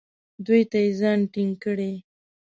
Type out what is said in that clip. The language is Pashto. دوهم ته یې ځان ټینګ کړی.